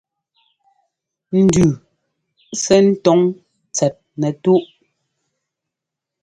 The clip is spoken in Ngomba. Ndʉʉ sɛ́ ńtɔ́ŋ tsɛt nɛtúꞌ.